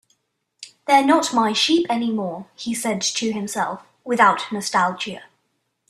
"They're not my sheep anymore," he said to himself, without nostalgia.